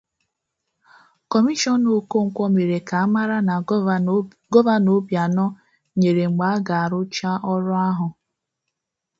Kọmishọna Okonkwọ mere ka a mara na Gọvanọ Obianọ nyere mgbe a ga-arụcha ọrụ ahụ